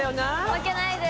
負けないで。